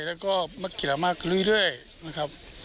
และก็นักกีฬามากเรื่อยนะครับ